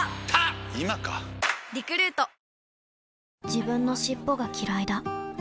自分の尻尾がきらいだ